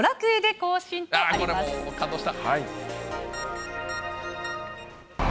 これも感動した。